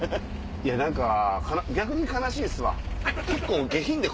何か逆に悲しいですわ。